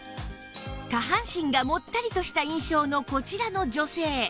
下半身がもったりとした印象のこちらの女性